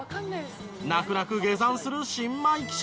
泣く泣く下山する新米記者。